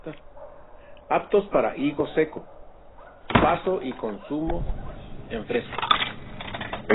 Aptos para higo seco paso y consumo en fresco.